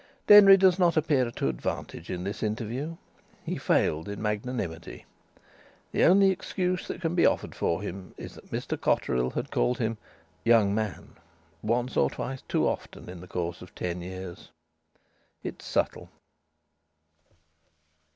Denry does not appear to advantage in this interview. He failed in magnanimity. The only excuse that can be offered for him is that Mr Cotterill had called him "young man" once or twice too often in the course of ten years. It is subtle.